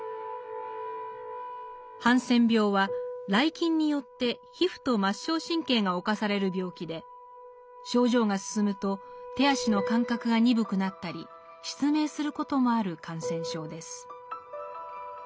ハンセン病はらい菌によって皮膚と末梢神経が侵される病気で症状が進むと手足の感覚が鈍くなったり失明することもある感染症です。